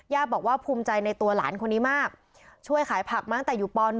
บอกว่าภูมิใจในตัวหลานคนนี้มากช่วยขายผักมาตั้งแต่อยู่ป๑